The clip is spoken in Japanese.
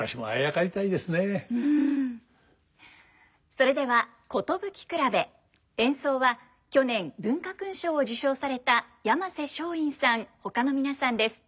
それでは「寿くらべ」演奏は去年文化勲章を受章された山勢松韻さんほかの皆さんです。